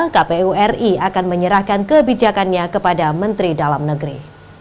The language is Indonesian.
kpuri akan menyerahkan kebijakannya kepada menteri dalam negeri